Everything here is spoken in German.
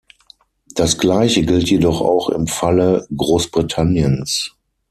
Das Gleiche gilt jedoch auch im Falle Großbritanniens.